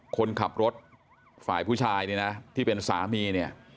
คนขับรถฝ่ายผู้ชายเนี่ยนะที่เป็นสามีเนี่ย